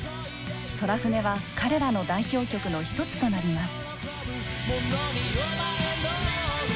「宙船」は彼らの代表曲の一つとなります。